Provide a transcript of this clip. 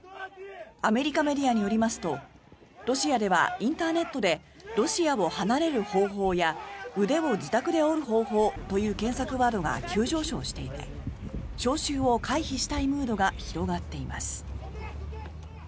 アメリカメディアによりますとロシアではインターネットで「ロシアを離れる方法」や「腕を自宅で折る方法」という検索ワードが急上昇していて招集を回避したいムードが広がっています。